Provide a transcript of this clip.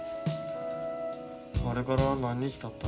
あれから何日たった？